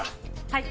はい。